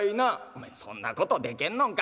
「お前そんなことでけんのんか？」。